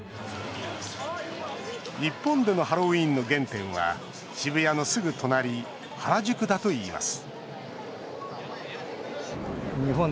日本でのハロウィーンの原点は渋谷のすぐ隣原宿だといいます